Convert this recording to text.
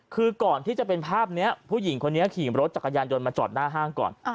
คือก่อนที่จะเป็นภาพนี้ผู้หญิงคนนี้ขี่รถจักรยานยนต์มาจอดหน้าห้างก่อน